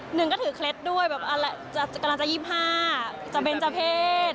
หนึ่งก็ถือเคล็ดด้วยแบบกำลังจะ๒๕จะเป็นเจ้าเพศ